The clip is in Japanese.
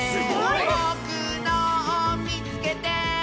「ぼくのをみつけて！」